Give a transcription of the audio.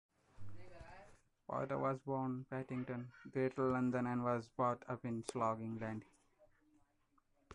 Potter was born Paddington, Greater London, and was brought up in Slough, England.